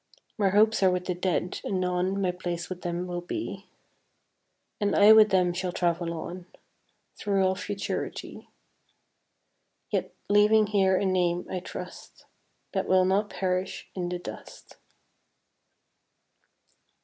My hopes are with the Dead; anon My place with them will be, And I with them shall travel on Through all Futurity; Yet leaving here a name, I trust, That will not perish in the dust.